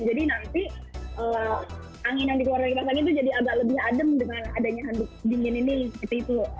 jadi nanti angin yang dikeluarkan dari kipas angin itu jadi agak lebih adem dengan adanya handuk dingin ini gitu gitu